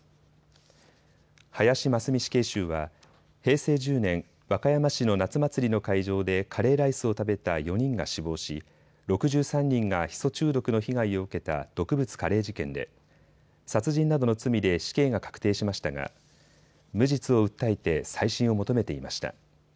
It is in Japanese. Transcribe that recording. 林真須美死刑囚は平成１０年、和歌山市の夏祭りの会場でカレーライスを食べた４人が死亡し、６３人がヒ素中毒の被害を受けた毒物カレー事件で殺人などの罪で死刑が確定しましたが無実を訴えて再審を求めていました。